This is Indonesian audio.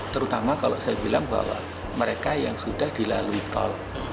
terutama kalau saya bilang bahwa mereka yang sudah dilalui tol